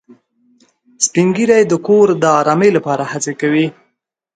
سپین ږیری د کور د ارامۍ لپاره هڅې کوي